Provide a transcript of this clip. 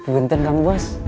benteng kamu bos